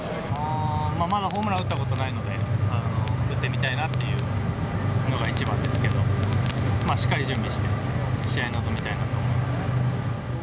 まだホームラン打ったことないので、打ってみたいなっていうのが一番ですけど、しっかり準備して試合に臨みたいなと思います。